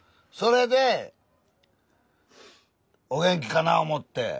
それでお元気かなあ思って。